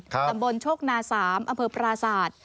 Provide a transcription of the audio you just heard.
สมบลโชคนาสามอเมืองปราสาท